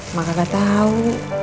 emak gak tau